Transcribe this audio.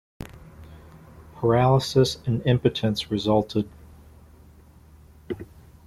Paralysis and impotence resulted.